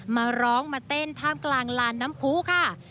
มาร้องมาเต้นท่ามกลางลานน้ำผู้ค่ะ